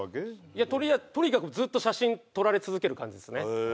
いやとにかくずっと写真撮られ続ける感じですねへえ